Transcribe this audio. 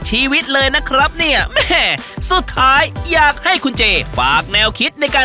ชีวิตเลยนะครับเนี่ยแม่สุดท้ายอยากให้คุณเจฝากแนวคิดในการ